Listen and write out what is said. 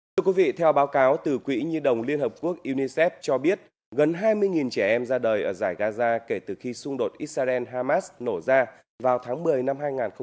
thưa quý vị theo báo cáo từ quỹ như đồng liên hợp quốc unicef cho biết gần hai mươi trẻ em ra đời ở giải gaza kể từ khi xung đột israel hamas nổ ra vào tháng một mươi năm hai nghìn một mươi tám